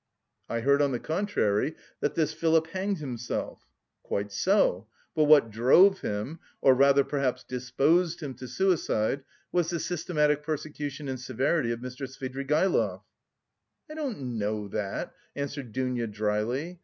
"I heard, on the contrary, that this Philip hanged himself." "Quite so, but what drove him, or rather perhaps disposed him, to suicide was the systematic persecution and severity of Mr. Svidrigaïlov." "I don't know that," answered Dounia, dryly.